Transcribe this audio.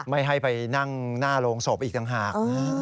ไม่ให้ไปนั่งหน้าโรงศพอีกต่างหาก